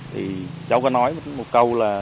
thì cháu có nói một câu là